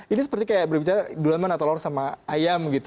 ini seperti kayak berbicara dulaman atau lor sama ayam